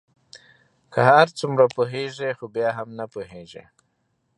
که هر څومره پوهیږی خو بیا هم نه پوهیږې